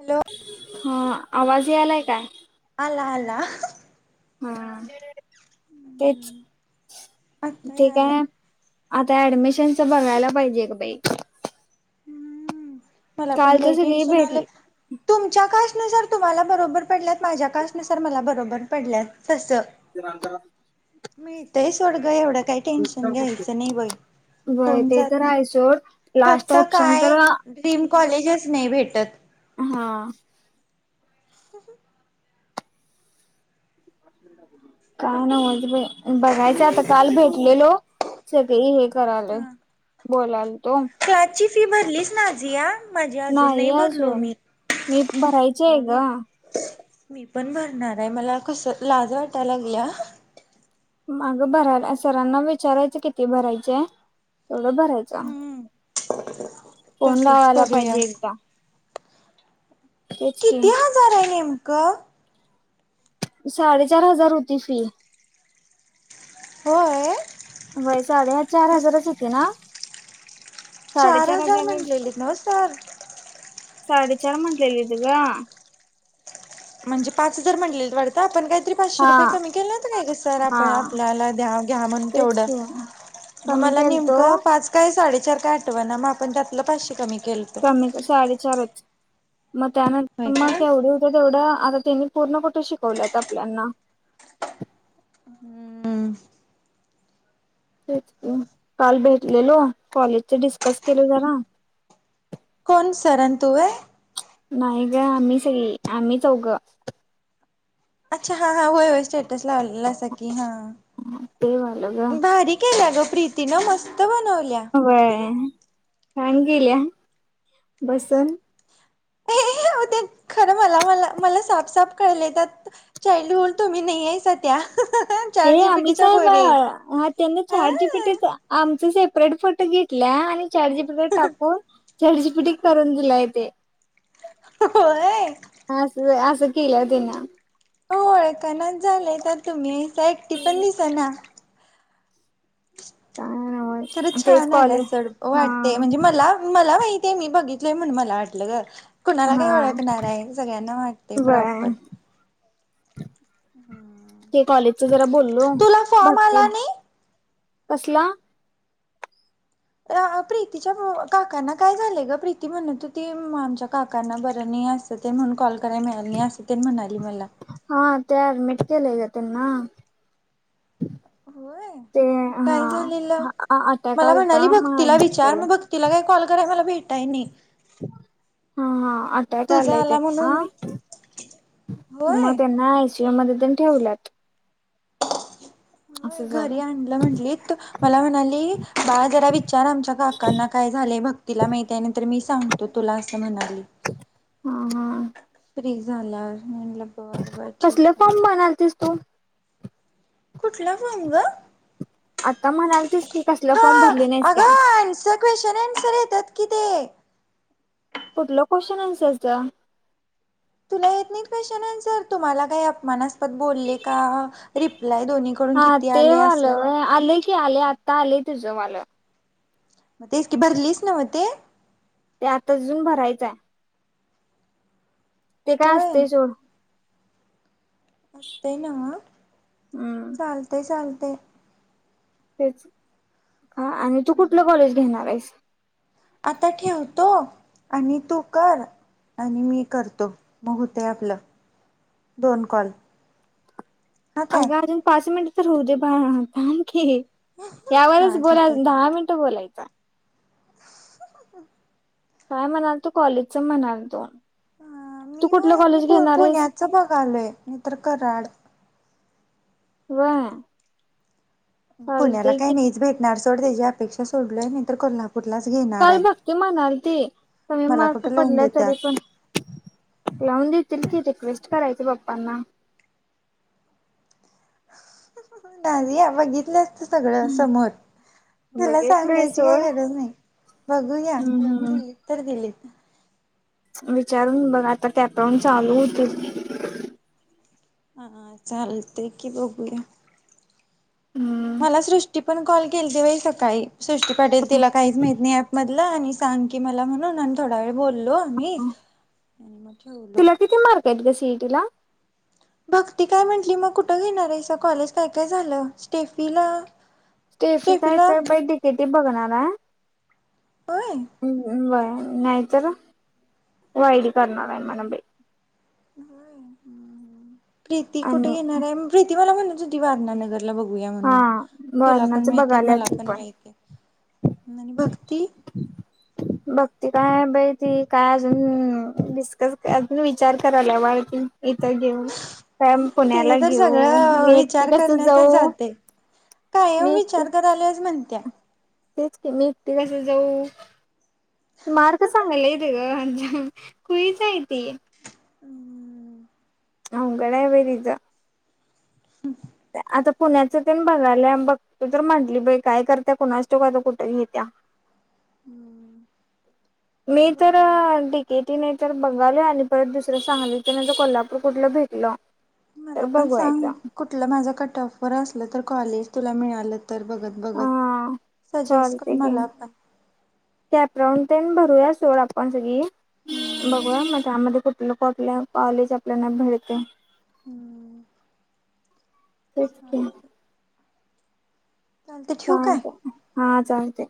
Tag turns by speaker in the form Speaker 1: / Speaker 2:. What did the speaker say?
Speaker 1: Hello
Speaker 2: हा आवाज यालाय
Speaker 1: आला
Speaker 2: काय?
Speaker 1: आला आला हा
Speaker 2: हा तेच
Speaker 1: आता
Speaker 2: ठीक
Speaker 1: आलाय
Speaker 2: हाय आता ऍडमिशनच बघायला पाहिजे गं बाई!
Speaker 1: मला पण
Speaker 2: काल तर
Speaker 1: लई
Speaker 2: सगळी
Speaker 1: टेन्शन आलय
Speaker 2: भेटली
Speaker 1: तुमच्या कास्ट कास्टनुसार तुम्हाला बरोबर पडल्यात माझ्या कास्टनुसार मला बरोबर पडल्यात तस
Speaker 2: [inaudible]
Speaker 1: मिळतयच बाई
Speaker 2: व्हय
Speaker 1: होऊन
Speaker 2: ते तर
Speaker 1: जातंय
Speaker 2: हाय सोड लास्ट ऑप्शन तर
Speaker 1: स्कीम कॉलेजच नाही भेटत.
Speaker 2: हा
Speaker 1: [inaudible]
Speaker 2: काय न्हवच बाई? बघायच आता काल भेटलेलो सगळी हेत करालोय बोला.
Speaker 1: क्वचित फी भरलीस नाजीया
Speaker 2: नाही अजून मी भरायची हाय
Speaker 1: हो
Speaker 2: ग.
Speaker 1: मी मी पण भरणार हाय मला कस लाज वाटाय लागलिया
Speaker 2: आग भरायला सरांना विचारायचं किती भरायची हाय तेवढं भरायचं.
Speaker 1: हम्म
Speaker 2: फोन
Speaker 1: तसच
Speaker 2: लावायला
Speaker 1: करूया.
Speaker 2: पाहिजे एकदा तेच की
Speaker 1: किती हजार हाय नेम? काय?
Speaker 2: साडे चार हजार होती फी
Speaker 1: होय.
Speaker 2: व्हय साडे चार
Speaker 1: मग
Speaker 2: हजारच होती ना
Speaker 1: चार
Speaker 2: साडेचार
Speaker 1: हजार म्हटलेले नव सर
Speaker 2: साडे चार म्हंटलेलीत ग
Speaker 1: म्हणजे पाच हजार म्हंनलेलीत वाटत आपण तेन पाचशे
Speaker 2: हा
Speaker 1: रुपये कमी केलं नव्हतं काय गं.
Speaker 2: हा
Speaker 1: तो आपल्याला घ्या घ्या म्हणून
Speaker 2: तेच
Speaker 1: केवढं.
Speaker 2: की
Speaker 1: म
Speaker 2: कमी
Speaker 1: मला
Speaker 2: केलतो
Speaker 1: नेमक पाच काय साडे सारखं आठवणा म आपण त्यातल पाचशे कमी केलंत.
Speaker 2: कमी कसं साडे चारच मग
Speaker 1: होय
Speaker 2: त्यानंतर मग
Speaker 1: काय?
Speaker 2: केवढ होतय तेवढं आग त्यांनी पूर्ण कुठ शिकवल्यात आपल्यांना
Speaker 1: हम्म
Speaker 2: तेच की काल भेटलेलो कॉलेजचे डिस्कस केल जरा
Speaker 1: कोण सर आणि तु होय?
Speaker 2: नाही ग आम्ही सगळी आम्हीचौघं
Speaker 1: अच्छा हा हा होय होय स्टेटस लावलेलासा की हा
Speaker 2: ते झालं गं
Speaker 1: प्रीती न मस्त बनव
Speaker 2: व्हय पाहून गेलीया बसून
Speaker 1: ते खरं मला, मला, मला साफ-साफ कळलय त्यात चाईल्डहूड तुम्ही नाही आहेसा त्या.
Speaker 2: हे
Speaker 1: चाट
Speaker 2: आम्हीच
Speaker 1: जीपीटीच्या
Speaker 2: आहे
Speaker 1: पोरी आहेत.
Speaker 2: बाळा हा त्यांनी
Speaker 1: आ
Speaker 2: चाटजीपीटीत आमचच हाय. [unintelligible] फोटो घेतलिया आणि चाटजीपिटी वर टाकून चाटजीपीटी करून दिलाय. ते
Speaker 1: व्हय
Speaker 2: हा असं असं केलं तिनं
Speaker 1: होय त्यांन झालंय का तुम्ही? काय एकटी पण दिसना.
Speaker 2: काय
Speaker 1: खरं
Speaker 2: नव्हच तेच
Speaker 1: छान आल्यात
Speaker 2: कॉलेज
Speaker 1: सोड ओ
Speaker 2: हा
Speaker 1: वाटतय म्हणजे मला मला माहित ते मी बघितलंय म्हणून मला वाटलं ग कुणाला काय
Speaker 2: हा
Speaker 1: ओळखणार हाय सगळ्यांना वाटतय
Speaker 2: बर
Speaker 1: प्रॉपर. हम्म
Speaker 2: तू जरा बोल हॅलो भक्ती कसला?
Speaker 1: अ प्रीतीच्या पो काकांना काय झालंय ग? प्रीती म्हणत होती म आमच्या काकांना बरं नाही असतं ते म्हणून कॉल कारण मिळाल नाही असं तेन म्हणाली मला.
Speaker 2: केले जातय ना.
Speaker 1: होय काय झालेल
Speaker 2: अटॅक
Speaker 1: मला
Speaker 2: आलता
Speaker 1: म्हणाली
Speaker 2: मग
Speaker 1: भक्तीला
Speaker 2: ऍडमिट
Speaker 1: विचार
Speaker 2: केलंय
Speaker 1: मग भक्तीला काय कॉल कराय मला भेटाय नई.
Speaker 2: हां-हां, अटॅक
Speaker 1: तुझा
Speaker 2: आलाय
Speaker 1: आला म्हणून मी
Speaker 2: त्यांना. म
Speaker 1: होय
Speaker 2: त्यांना आय स् यू मध्ये तेन ठेवल्यात.
Speaker 1: होय,
Speaker 2: असं झालं
Speaker 1: घरी आणलं म्हणलीत. मला म्हणाली बाळ जरा विचार आमच्या काकांना काय झालंय. भक्तीला माहिती आहे नाहीतर मी सांगतो तुला असं म्हण
Speaker 2: हां-हां
Speaker 1: प्रि झाला. म्हणलं बर बर
Speaker 2: कसले
Speaker 1: ठीक आय.
Speaker 2: फॉर्म म्हणालतीस तू
Speaker 1: कुठलं फॉर्म गं?
Speaker 2: आता म्हणालतीस की कसलं फॉर्म भरली नाहीस का.
Speaker 1: अगं आन्सर क्वेश्चन आन्सर येतात कि ते
Speaker 2: कुठलं क्वेश्चन आन्सर चं.
Speaker 1: तुला येत नाहीत क्वेशन अन्सर तुम्हाला काही अपमानस् पद बोलले का? रिप
Speaker 2: हां, ते वालं व्हय आलंय की आलंय आत्ता आलंय तुझं मला.
Speaker 1: म तेच की भरलीस न्हवं ते?
Speaker 2: ते आता जून भरायचाय. ते काय
Speaker 1: होय
Speaker 2: असतंय सोड.
Speaker 1: असतय नव्हं?
Speaker 2: हम्म
Speaker 1: चालतय चाल ते
Speaker 2: तेच हां, आणि तू कुठलं कॉलेज घेणार हाईस? [inaudible]
Speaker 1: आता ठेवतो, आणि तू कर, आणि मी करतो, मग होतय आपलं दोन कॉल. हा काय
Speaker 2: अगं आजून पाच मिन तर होऊ दे बाळ थांब की. यावरच
Speaker 1: हा
Speaker 2: बोल
Speaker 1: ठीक आहे
Speaker 2: अजू
Speaker 1: ठीक
Speaker 2: दहा मिनटं बोलायच.
Speaker 1: [unintelligible]
Speaker 2: काय म्हणालतो कॉलेजचं म्हणालतो.
Speaker 1: हां, मी
Speaker 2: तू कुठलं
Speaker 1: होय मी
Speaker 2: कॉलेज
Speaker 1: पु
Speaker 2: घेणार आहेस
Speaker 1: पुण्याचं बघालोय नाहीतर तर कराड.
Speaker 2: व्हय?
Speaker 1: पुण्याला
Speaker 2: चालतंय
Speaker 1: काय नाहीच बाई. नाड सोड त्याजी अपेक्षा सोडलोय, नाही तर कोल्हाप
Speaker 2: काल भक्ति म्हणालती कमी
Speaker 1: मला
Speaker 2: मार्क
Speaker 1: कुठं लावून
Speaker 2: पडल्या
Speaker 1: देत्यात.
Speaker 2: तरी पण, लावून देतील की रिक्वेस्ट कराय त पप्पांना.
Speaker 1: [unintelligible] बघितलंस. सगळं समोर त्याला
Speaker 2: बघितलंय
Speaker 1: सांगायची काही
Speaker 2: सोड
Speaker 1: गरज नाही. बघू या लावून
Speaker 2: हम्म
Speaker 1: दिली तर दिलीत.
Speaker 2: विचारून बघ आता त्यात उन चालू होतयं.
Speaker 1: हा हा चालतयकी बघूया.
Speaker 2: हम्म
Speaker 1: मला सृष्टी पण कॉल केलती बाई सकाळी सृष्टी पाटील तिला काहीच माहीत नाही ऍप मधलं आणि सांग की मला म्हणून आणि थोडा वेळ बोललो आम्ही ठेवलो.
Speaker 2: तिला किती मार्के हाइत गं सी ए ट - - टी ला.
Speaker 1: भक्ती काय म्हंटली मग कुठं घेणार हाइसा कॉलेज काय काय झालं? स्टेफीला
Speaker 2: स्टेफी काय तर
Speaker 1: स्टेफीला
Speaker 2: काय तर बाई डि के टी बघणार हाय.
Speaker 1: होय
Speaker 2: हम् व्हंय. नाही तर वाईरी करणार हाय म्हण बाई.
Speaker 1: हं हम्म. प्रीती कुठं
Speaker 2: आणि
Speaker 1: घेणार हाय. प्रीती मला म्हणली. [unintelligible] होती वारणानगर. [unintelligible] बघूया
Speaker 2: हा
Speaker 1: म्हणून, तुला पण
Speaker 2: वरणाच
Speaker 1: माहिती हाय
Speaker 2: बघाल्या
Speaker 1: मला
Speaker 2: ती
Speaker 1: पण माहिती हाय आणि भक्ती
Speaker 2: ती काय बाई ती काय अजून डिस्कस अजून विचार करायल्या बाळ ती. इथं घेऊ काय पुण्याला
Speaker 1: तिथं तर
Speaker 2: घेऊ मी
Speaker 1: सगळा
Speaker 2: एकटी
Speaker 1: विचार
Speaker 2: कस
Speaker 1: करण्यातच
Speaker 2: जाऊ,
Speaker 1: जाते
Speaker 2: मी एकटी
Speaker 1: त्या
Speaker 2: मी एकटी कस जाऊ, मार्क चांगले आहेत ग खुळीच हाय ती
Speaker 1: हम्म
Speaker 2: अवघड हाय बाय तिच आता पुण्याच ते बघायल्या बघतो तर म्हटली बाई, काय करत्या कुणास ठाव आता कुठं घेतीया? मी तर
Speaker 1: बघूया
Speaker 2: डि क् ती तर बघाली आणि परत दुसरं सांगलीतल नाही तर कोल्हापूर कुठलं भेटलं तर
Speaker 1: मला पण सांग
Speaker 2: बघवायचं
Speaker 1: कुठलं माझं कट टफवर असलं तर कॉलेज तुला मिळालं तर बघत बघत
Speaker 2: हा
Speaker 1: सजेस्ट कर
Speaker 2: चालतंय की
Speaker 1: मला पण
Speaker 2: तेण भरूया सोड आपण सगळी
Speaker 1: हम्म
Speaker 2: बघू म त्यामध्ये कुठ नको आपल्या कॉलेजात आपल्याना भेटत.
Speaker 1: हम्म
Speaker 2: तेच की
Speaker 1: चालते चालतय ठेऊ काय.
Speaker 2: चालतंय हा चालते.